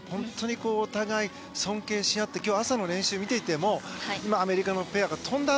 お互い尊敬し合って今日、朝の練習を見ていてもアメリカのペアが跳んだ